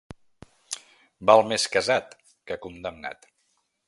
Val més casat que condemnat.